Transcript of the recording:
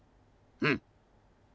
うん。